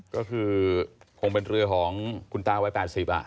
ก็คือคงเป็นเรือของคุณตาวัย๘๐